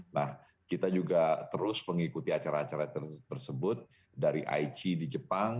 nah kita juga terus mengikuti acara acara tersebut dari aichi di jepang